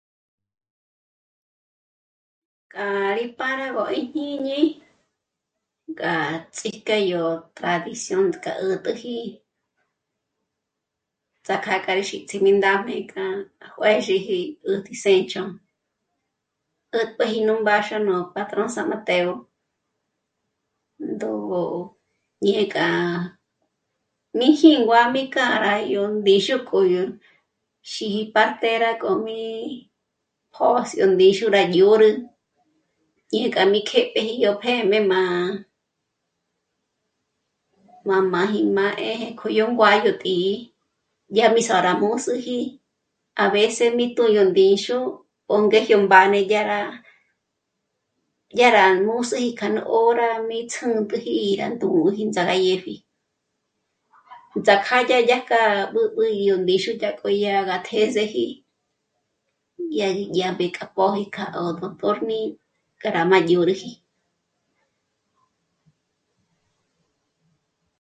K'ârí pájnagö íjñini k'a tsíjké yó tradición k'á 'ä̀t'äji ts'ájk'a k'a rí xíjmi ndájme k'a juězhiji 'ä̀t'ä séncho. 'ä̀jp'äji nú mbáxua nú patrón San Mateo ndó'o ñé'k'â'a mí jíngua mí k'â rá yó ndíxu kóyó xíji partera k'omí pjósü yó ndíxu rá dyö̌ rü. Ñé'e k'a k'éjpjeji yó p'éjm'e má mámáji m'á 'ë́je k'oyó nguáyó ti'i, dyàm'izôrá mbǜsüji a veces tóyóndíxu 'öngéjio mbáne dyará, dyára ngúsi k'a nú 'órá mí ndzüntüji írándú'u ríts'ârá dyëpji. Ts'ák'árá yájpjkja 'ǜb'üji yó ndíxu dyàk'oyà tés'eji, dyà mbé k'á poyika 'ógo pürni k'ayárá 'ǘñüji